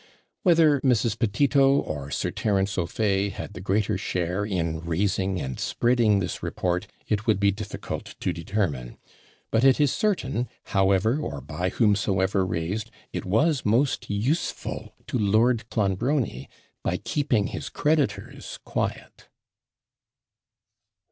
Whether Mrs. Petito or Sir Terence O'Fay had the greater share in raising and spreading this report, it would be difficult to determine; but it is certain, however or by whomsoever raised, it was most useful to Lord Clonbrony, by keeping his creditors quiet.